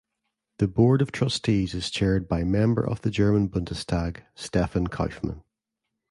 The board of trustees is chaired by Member of the German Bundestag Stefan Kaufmann.